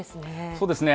そうですね。